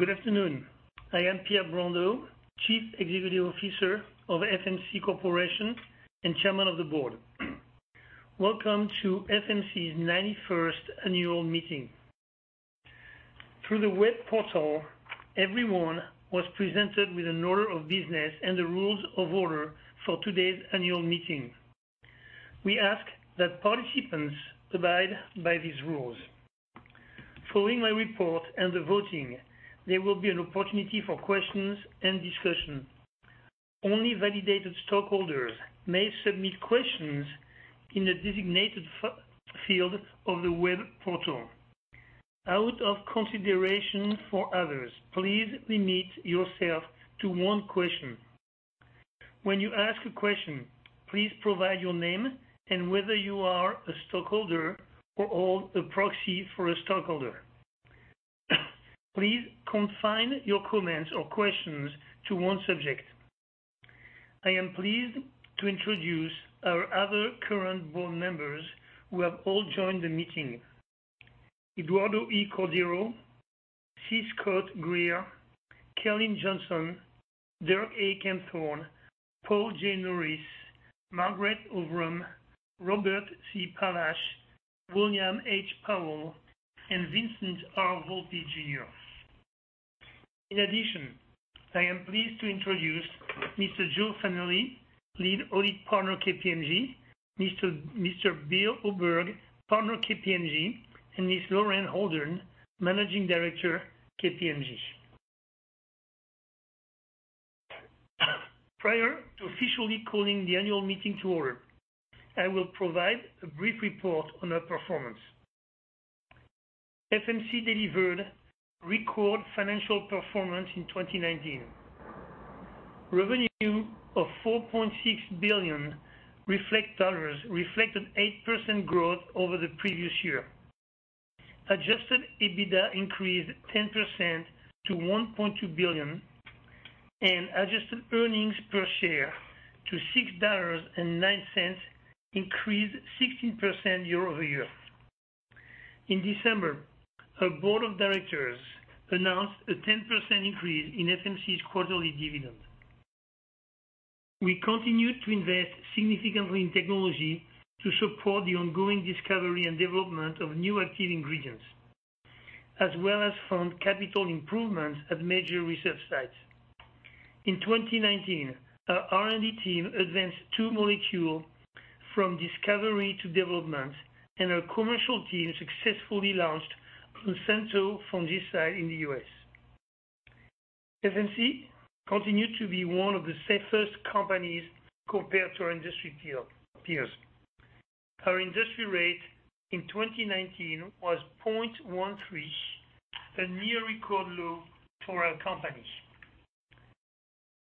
Good afternoon. I am Pierre Brondeau, Chief Executive Officer of FMC Corporation and Chairman of the Board. Welcome to FMC's 91st Annual Meeting. Through the web portal, everyone was presented with an order of business and the rules of order for today's Annual Meeting. We ask that participants abide by these rules. Following my report and the voting, there will be an opportunity for questions and discussion. Only validated stockholders may submit questions in the designated field of the web portal. Out of consideration for others, please limit yourself to one question. When you ask a question, please provide your name and whether you are a stockholder or a proxy for a stockholder. Please confine your comments or questions to one subject. I am pleased to introduce our other current board members who have all joined the meeting: Eduardo E. Cordeiro, C. Scott Greer, Kjell A. Jonsson, Dirk A. Kempthorne, Paul J. Norris, Margreth Øvrum, Robert C. Pallash, William H. Powell, and Vincent R. Volpe, Jr. In addition, I am pleased to introduce Mr. Joe Fealy, Lead Audit Partner KPMG, Mr. Bill Oberg, Partner KPMG, and Ms. Lauren Holleran, Managing Director KPMG. Prior to officially calling the Annual Meeting to order, I will provide a brief report on our performance. FMC delivered record financial performance in 2019. Revenue of $4.6 billion reflected 8% growth over the previous year. Adjusted EBITDA increased 10% to $1.2 billion, and adjusted earnings per share to $6.09, increased 16% year-over-year. In December, our Board of Directors announced a 10% increase in FMC's quarterly dividend. We continue to invest significantly in technology to support the ongoing discovery and development of new active ingredients, as well as fund capital improvements at major research sites. In 2019, our R&D team advanced two molecules from discovery to development, and our commercial team successfully launched Lucento fungicide in the U.S. FMC continues to be one of the safest companies compared to our industry peers. Our industry rate in 2019 was 0.13, a near-record low for our company.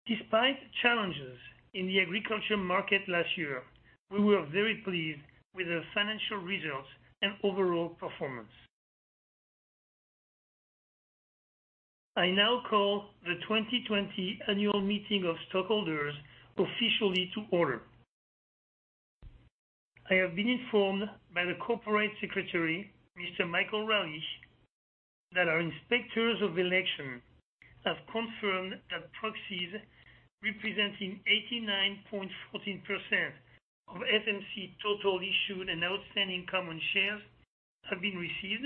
Despite challenges in the agriculture market last year, we were very pleased with our financial results and overall performance. I now call the 2020 Annual Meeting of Stockholders officially to order. I have been informed by the Corporate Secretary, Mr. Michael Reilly, that our Inspectors of Election have confirmed that proxies representing 89.14% of FMC's total issued and outstanding common shares have been received,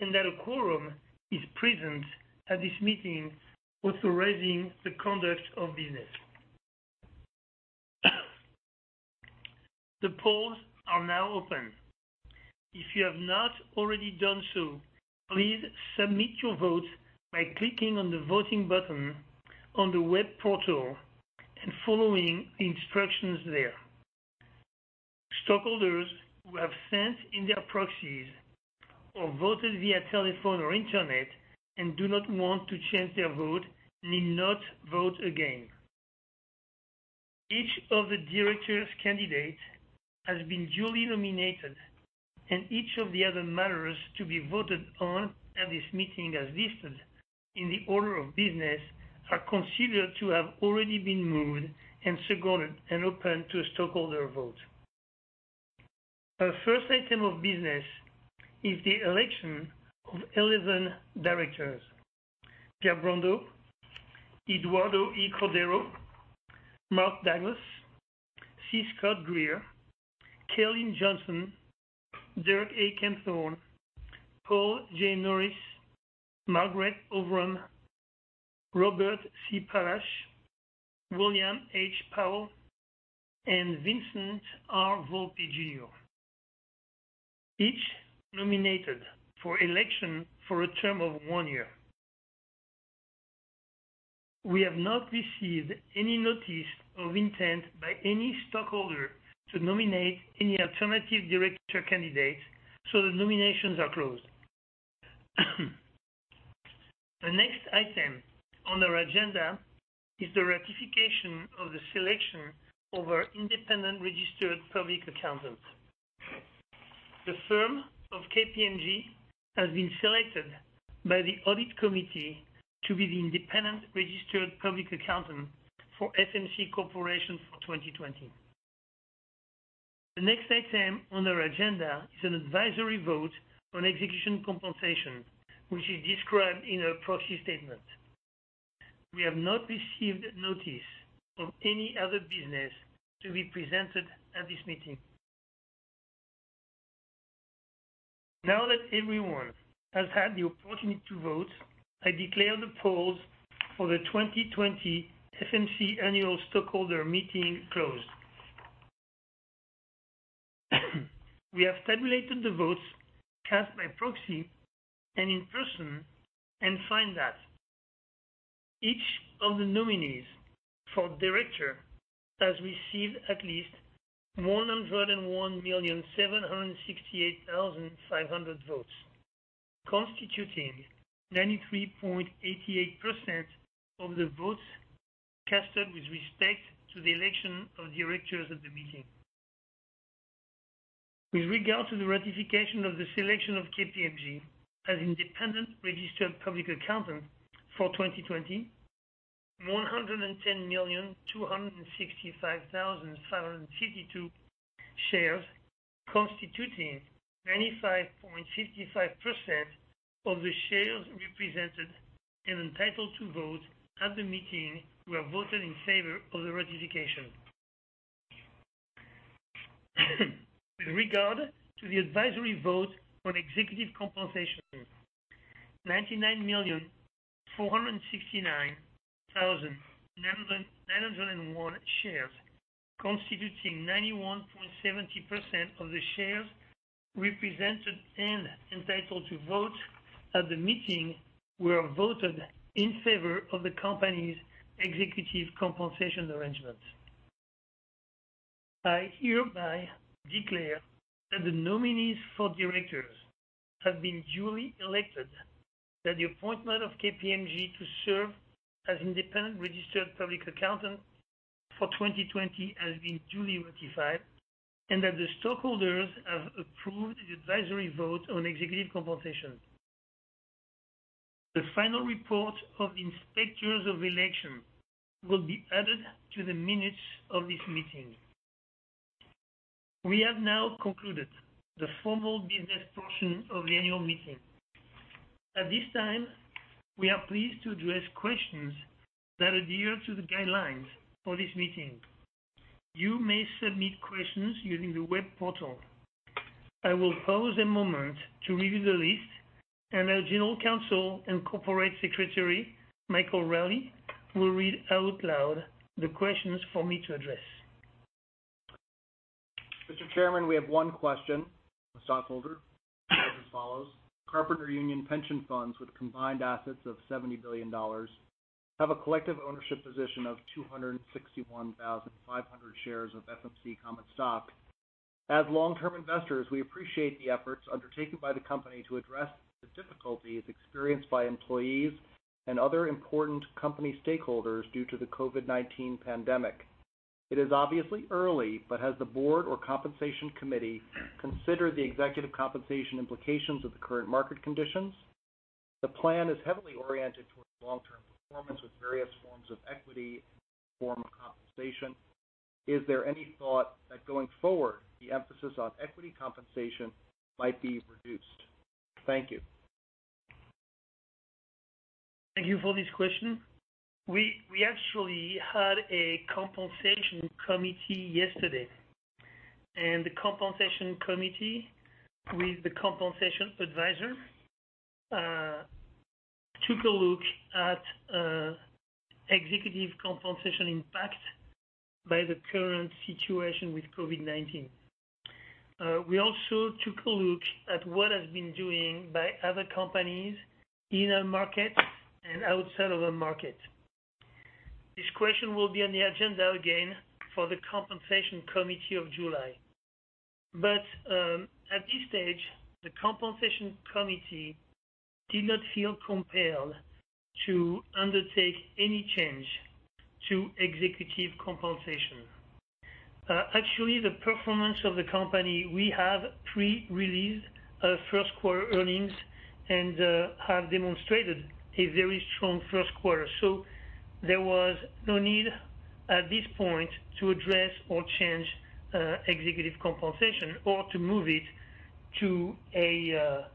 and that a quorum is present at this meeting authorizing the conduct of business. The polls are now open. If you have not already done so, please submit your vote by clicking on the voting button on the web portal and following the instructions there. Stockholders who have sent in their proxies or voted via telephone or internet and do not want to change their vote need not vote again. Each of the Directors' candidates has been duly nominated, and each of the other matters to be voted on at this meeting as listed in the order of business are considered to have already been moved and seconded and open to a stockholder vote. Our first item of business is the election of 11 Directors: Pierre Brondeau, Eduardo E. Cordeiro, Mark Douglas, C. Scott Greer, Kjell A. Jonsson, Dirk A. Kempthorne, Paul J. Norris, Margreth V. Øvrum, Robert C. Pallash, William H. Powell, and Vincent R. Volpe, Jr. Each nominated for election for a term of one year. We have not received any notice of intent by any stockholder to nominate any alternative Director candidates, so the nominations are closed. The next item on our agenda is the ratification of the selection of our independent registered public accountants. The firm of KPMG has been selected by the Audit Committee to be the independent registered public accountant for FMC Corporation for 2020. The next item on our agenda is an advisory vote on executive compensation, which is described in our proxy statement. We have not received notice of any other business to be presented at this meeting. Now that everyone has had the opportunity to vote, I declare the polls for the 2020 FMC Annual Stockholder Meeting closed. We have tabulated the votes cast by proxy and in person and find that each of the nominees for Director has received at least 101,768,500 votes, constituting 93.88% of the votes cast with respect to the election of Directors at the meeting. With regard to the ratification of the selection of KPMG as independent registered public accountant for 2020, 110,265,552 shares constituting 95.55% of the shares represented and entitled to vote at the meeting were voted in favor of the ratification. With regard to the advisory vote on executive compensation, 99,469,901 shares constituting 91.70% of the shares represented and entitled to vote at the meeting were voted in favor of the company's executive compensation arrangements. I hereby declare that the nominees for Directors have been duly elected, that the appointment of KPMG to serve as independent registered public accountant for 2020 has been duly ratified, and that the stockholders have approved the advisory vote on executive compensation. The final report of the Inspectors of Election will be added to the minutes of this meeting. We have now concluded the formal business portion of the Annual Meeting. At this time, we are pleased to address questions that adhere to the guidelines for this meeting. You may submit questions using the web portal. I will pause a moment to review the list, and our General Counsel and Corporate Secretary, Michael Reilly, will read out loud the questions for me to address. Mr. Chairman, we have one question. Stockholder, as follows. Carpenters Union Pension Funds with combined assets of $70 billion have a collective ownership position of 261,500 shares of FMC Common Stock. As long-term investors, we appreciate the efforts undertaken by the company to address the difficulties experienced by employees and other important company stakeholders due to the COVID-19 pandemic. It is obviously early, but has the board or Compensation Committee considered the executive compensation implications of the current market conditions? The plan is heavily oriented towards long-term performance with various forms of equity and form of compensation. Is there any thought that going forward, the emphasis on equity compensation might be reduced? Thank you. Thank you for this question. We actually had a Compensation Committee yesterday, and the Compensation Committee with the compensation advisor took a look at executive compensation impact by the current situation with COVID-19. We also took a look at what has been doing by other companies in our market and outside of our market. This question will be on the agenda again for the Compensation Committee of July. But at this stage, the Compensation Committee did not feel compelled to undertake any change to executive compensation. Actually, the performance of the company, we have pre-released our first-quarter earnings and have demonstrated a very strong first quarter, so there was no need at this point to address or change executive compensation or to move it to a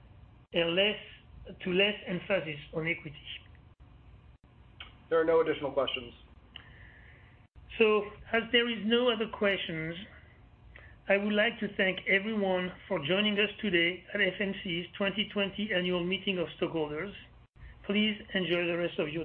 less emphasis on equity. There are no additional questions. So as there are no other questions, I would like to thank everyone for joining us today at FMC's 2020 Annual Meeting of Stockholders. Please enjoy the rest of your day.